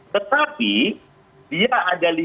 tetapi dia ada